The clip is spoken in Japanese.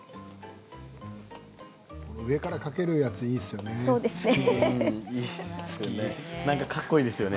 上からかけるやついいですよね。